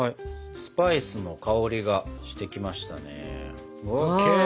スパイスの香りがしてきましたね。